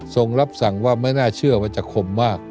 รับสั่งว่าไม่น่าเชื่อว่าจะคมมาก